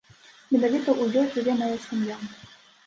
Менавіта ў ёй жыве мая сям'я.